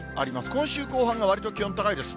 今週後半がわりと気温高いです。